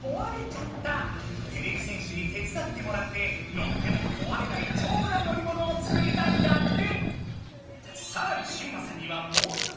てれび戦士に手伝ってもらって乗ってもこわれないじょうぶな乗りものを作りたいんだって。